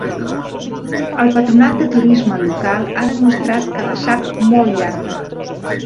El patronat de turisme local ha demostrat que la sap molt llarga.